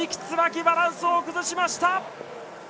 つばきバランスを崩しました！